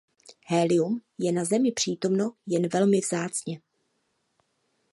Helium je na Zemi přítomno jen velmi vzácně.